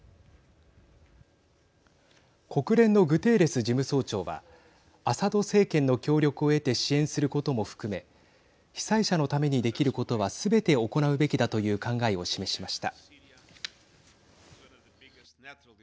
国連のグテーレス事務総長はアサド政権の協力を得て支援することも含め被災者のためにできることはすべて行うべきだという考えを示しました。